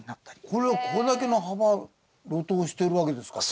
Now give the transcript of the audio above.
これはこれだけの幅が露頭してるわけですか？